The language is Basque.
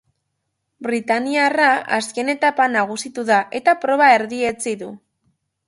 Britainiarra azken etapan nagusitu da eta proba erdietsi du.